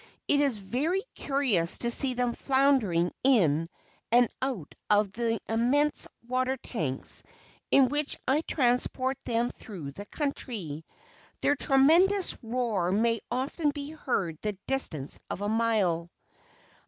It is very curious to see them floundering in and out of the immense water tanks in which I transport them through the country. Their tremendous roar may often be heard the distance of a mile.